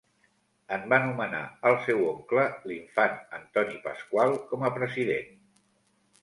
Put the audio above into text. En va nomenar el seu oncle l'infant Antoni Pasqual com a president.